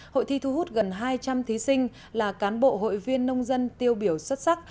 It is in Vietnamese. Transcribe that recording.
hội thi thu hút gần hai trăm linh thí sinh là cán bộ hội viên nông dân tiêu biểu xuất sắc